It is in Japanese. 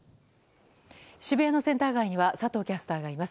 渋谷のセンター街には佐藤キャスターがいます。